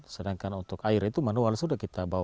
sedangkan untuk air itu manual sudah kita bawa